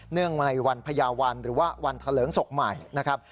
เนื่องมาในวันพยาวันหรือว่าวันทะเลิงศกใหม่นะครับ